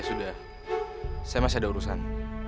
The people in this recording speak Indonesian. sudah saya masih ada urusan